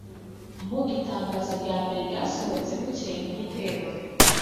mu itangazo rya mbere ryasohotse bukeye bw'igitero,